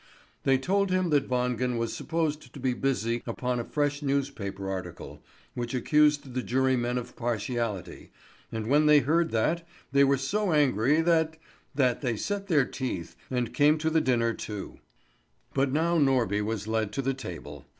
They told him that Wangen was supposed to be busy upon a fresh newspaper article, which accused the jurymen of partiality, and when they heard that, they were so angry that that they set their teeth, and came to the dinner too. But now Norby was led to the table.